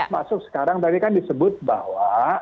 masuk sekarang tadi kan disebut bahwa